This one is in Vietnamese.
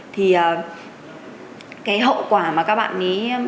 thì cái hậu quả mà các bạn